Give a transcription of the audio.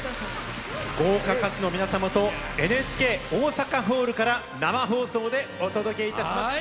豪華歌手の皆様とＮＨＫ大阪ホールから生放送でお届けします。